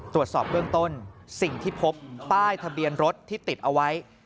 ตรวจสอบเบื้องต้นสิ่งที่พบป้ายทะเบียนรถที่ติดเอาไว้